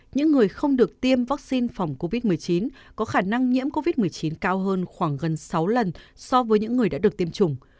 những người không được tiêm vaccine phòng covid một mươi chín có khả năng nhiễm covid một mươi chín cao hơn khoảng gần sáu lần so với những người đã được tiêm chủng